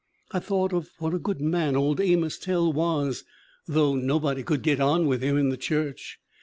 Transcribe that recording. I thought of what a good man old Amos Tell was, though no body could get on with him in the church.